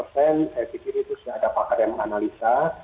saya pikir itu sudah ada pakar yang menganalisa